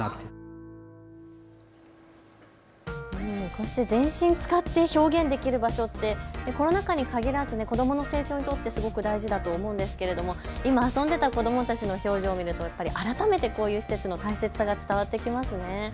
こうして全身使って表現できる場所ってコロナ禍に限らず子どもの成長にとってすごく大事かと思うんですけれども今遊んでいた子どもたちの表情を見ると、改めてこういう施設の大切さが伝わってきますね。